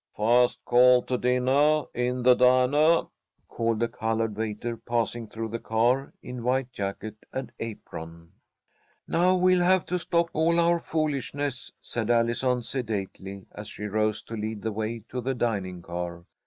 "First call to dinnah in the dinah," called a coloured waiter, passing through the car in white jacket and apron. "Now we'll have to stop all our foolishness," said Allison, sedately, as she rose to lead the way to the dining car.